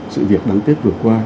sự việc đáng tiếc vừa qua